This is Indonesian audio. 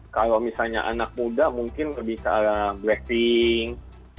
kalau misalnya anak muda mungkin lebih ke arah blackpink